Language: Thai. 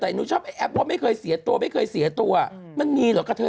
แต่หนุชอบแอปว่าไม่เคยเสียตัวมันมีหรือครับเธอ